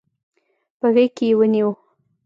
په غېږ کې يې ونيو.